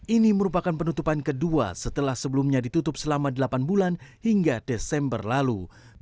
ini merupakan penutupan kedua setelah sebelumnya ditutup selama delapan bulan hingga desember lalu